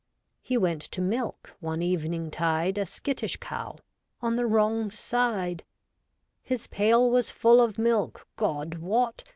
He went to milk, one evening tide, A skittish cow, on the wrong side — His pail was full of milk, God wot.